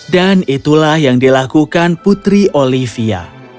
dan itulah yang dilakukan putri olivia